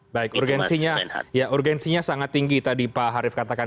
baik urgensinya sangat tinggi tadi pak harif katakan